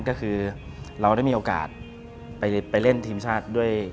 ก็คือเราได้มีโอกาสไปเล่นทีมชาติด้วย